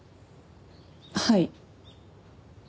はい。